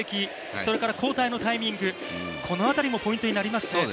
それから交代のタイミング、この辺りもポイントになりますね。